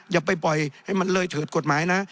อย่าไปปล่อยให้มันเลยเถิดกฎหมายนะ